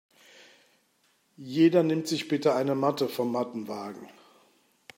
Jeder nimmt sich bitte eine Matte vom Mattenwagen.